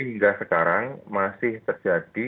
hingga sekarang masih terjadi